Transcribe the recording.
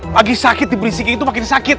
lagi sakit diberisikin itu makin sakit